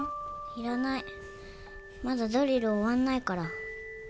いらないまだドリル終わんないから。